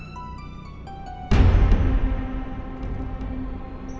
maaf biar ray yang chegang burung ini